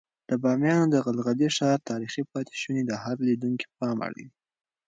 د بامیانو د غلغلي ښار تاریخي پاتې شونې د هر لیدونکي پام اړوي.